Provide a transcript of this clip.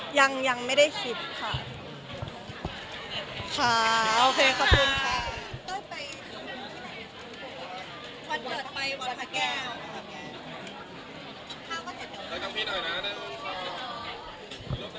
หลังจากนี้มีเรียนบัญญัยอีกไหมคะ